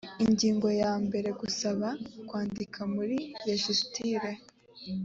ingingo yo mbere gusaba kwandikwa muri rejisitiri